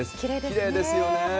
きれいですよね。